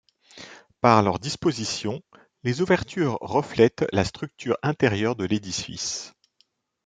Par leur disposition, les ouvertures reflètent la structure intérieure de l'édifice.